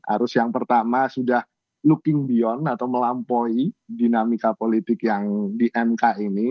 arus yang pertama sudah looking beyond atau melampaui dinamika politik yang di mk ini